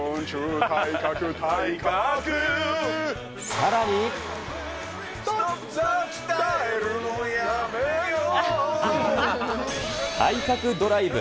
さらに。体格ドライブ。